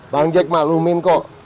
bang jek maklumin kok